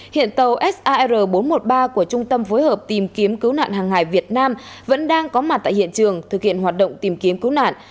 hiện tàu sar bốn trăm một mươi ba của trung tâm phối hợp tìm kiếm cứu nạn hàng hải việt nam vẫn đang có mặt tại hiện trường thực hiện hoạt động tìm kiếm cứu nạn